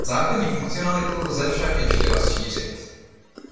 Základní funkcionalitu lze však ještě rozšířit.